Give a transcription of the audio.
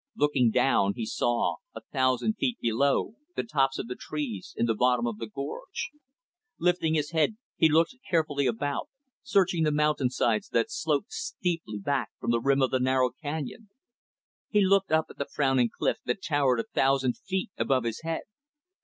Looking down, he saw, a thousand feet below the tops of the trees in the bottom of the gorge. Lifting his head, he looked carefully about, searching the mountainsides that slope steeply back from the rim of the narrow canyon. He looked up at the frowning cliff that towered a thousand feet above his head.